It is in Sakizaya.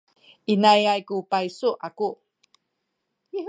inayay ku paysu aku.